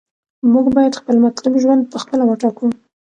موږ باید خپل مطلوب ژوند په خپله وټاکو.